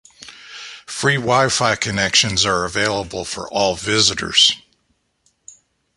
Free Wi-Fi connections are available for all visitors.